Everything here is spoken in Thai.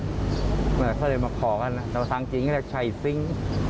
นั่นแหละเขาเลยมาขอกันแต่ว่าทางจีนก็แค่ไชซิ้ง